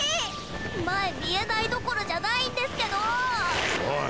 前見えないどころじゃないんですけどおい！